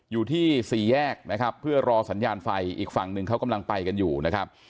อยู่ที่สี่แยกนะครับเพื่อรอสัญญาณไฟอีกฝั่งหนึ่งเขากำลังไปกันอยู่นะครับ